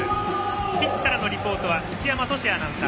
ピッチからのリポートは内山俊哉アナウンサー。